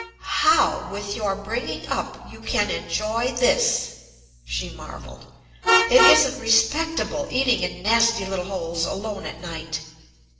"How, with your bringing up, you can enjoy this!" she marveled. "It isn't respectable eating in nasty little holes alone at night!"